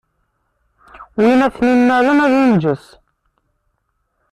Win ara ten-innalen ad inǧes.